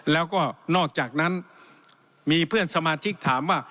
แล้วก็นอกจากนั้นมีเพื่อนสมาชิกถามว่า